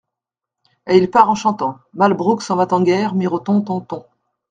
Et il part en chantant : Malbrough s’en va-t-en guerre, Mironton, ton, ton…